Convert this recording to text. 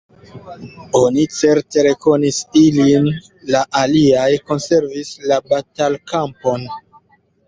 Oni certe rekonis ilin: la aliaj konservis la batalkampon!